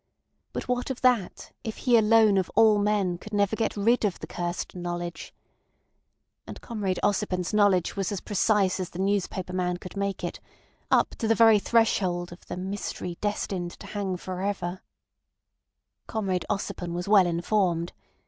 But what of that if he alone of all men could never get rid of the cursed knowledge? And Comrade Ossipon's knowledge was as precise as the newspaper man could make it—up to the very threshold of the "mystery destined to hang for ever. ..." Comrade Ossipon was well informed.